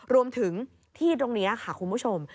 รวมถึงที่ตรงนี้ค่ะคุณผู้ชม